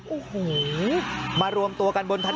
โอ้โหมารวมตัวกันบนถนน